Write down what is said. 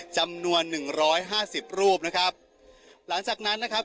จำนวนหนึ่งร้อยห้าสิบรูปนะครับหลังจากนั้นนะครับ